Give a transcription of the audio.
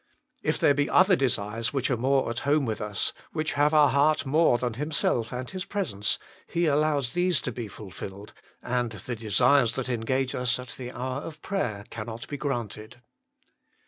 If there be other desires which are more at home with us, which have our heart more than Himself and His presence, He allows these to be fulfilled, and the desires that engage us at the hour of prayer cannot be granted.